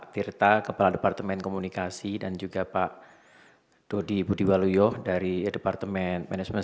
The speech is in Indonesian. tirta kepala departemen komunikasi dan juga pak dodi budiwaluyo dari departemen manajemen